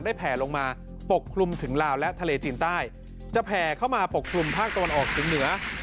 แผ่ลงมาปกคลุมถึงลาวและทะเลจีนใต้จะแผ่เข้ามาปกคลุมภาคตะวันออกถึงเหนือ